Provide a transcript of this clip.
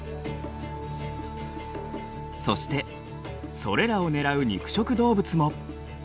そしてそれらを狙う肉食動物も。